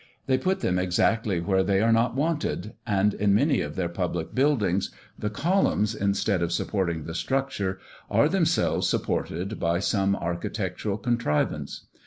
They put them exactly where they are not wanted; and, in many of their public buildings the columns, instead of supporting the structure, are themselves supported by some architectural contrivance.